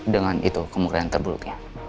dengan itu kemungkinan terburuknya